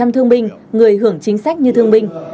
hai bảy trăm linh thương binh người hưởng chính sách như thương binh